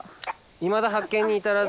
いまだ発見に至らず。